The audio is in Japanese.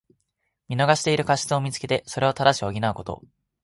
見逃している過失をみつけて、それを正し補うこと。